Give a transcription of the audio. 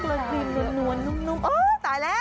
ร้อนกรีมนวลนุ่มตายแล้ว